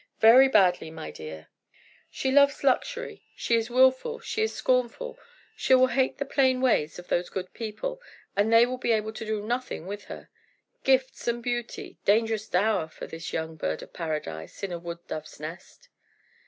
"Very badly, my dear. She loves luxury; she is willful; she is scornful. She will hate the plain ways of those good people, and they will be able to do nothing with her. Gifts and beauty dangerous dower for this young bird of paradise, in a wood dove's nest."